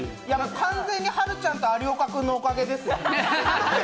完全にはるちゃんと有岡君のおかげですよ。